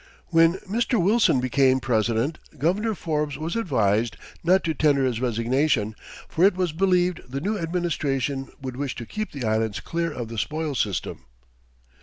When Mr. Wilson became president, Governor Forbes was advised not to tender his resignation, for it was believed the new administration would wish to keep the Islands clear of the spoil system.